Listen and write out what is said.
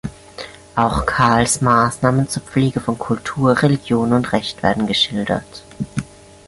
Auch Karls Maßnahmen zur Pflege von Kultur, Religion und Recht werden geschildert.